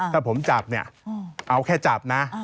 ถ้าผมจับเอาแค่จับนะ